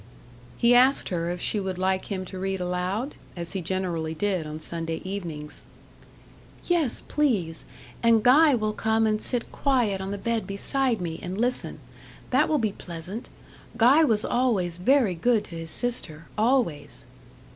He asked her if she would like him to read aloud? as he generally did on Sunday evenings. "Yes, please; and Guy will come and sit quiet on the bed beside me and listen. That will be pleasant. Guy was always very good to his sister always."